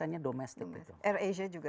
hanya domestik air asia juga